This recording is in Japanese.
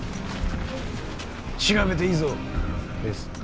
「調べていいぞ」ですって。